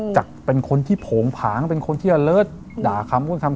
จากเป็นคนที่โผงผางเป็นคนที่เลิศด่าคำพูดคำ